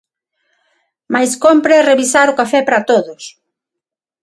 Mais cómpre revisar o café para todos.